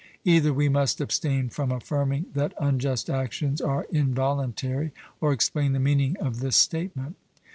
Either we must abstain from affirming that unjust actions are involuntary, or explain the meaning of this statement.